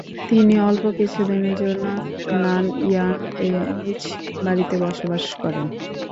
তিনি অল্প কিছুদিনের জন্য নানইয়াং এ নিজ বাড়িতে বসবাস করেন।